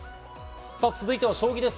続いては将棋です。